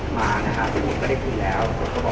หมานะครับที่หมดก็ได้คุยแล้ว